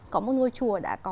có một ngôi chùa đã có